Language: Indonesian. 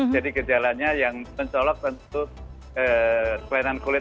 jadi gejalanya yang mencolok tentu pelayanan kulit